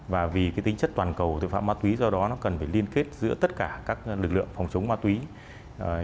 và vì cái tính chất toàn cầu tội phạm ma túy do đó nó cần phải liên kết giữa tất cả các lực lượng phòng chống ma túy trên toàn thế giới